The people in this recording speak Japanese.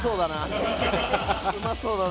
うまそうだな。